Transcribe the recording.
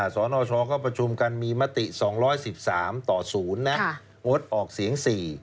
สนชก็ประชุมกันมีมติ๒๑๓ต่อ๐นะงดออกเสียง๔